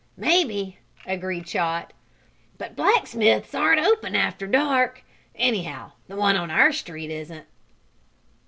"Maybe," agreed Chot. "But blacksmiths aren't open after dark anyhow the one on our street isn't."